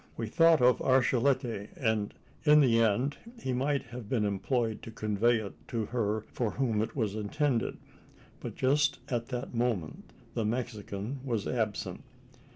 We thought of Archilete; and in the end he might have been employed to convey it to her for whom it was intended. But just at that moment the Mexican was absent.